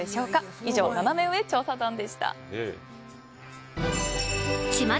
以上、ナナメ上調査団でした。